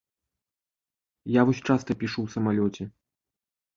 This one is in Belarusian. Я вось часта пішу ў самалёце.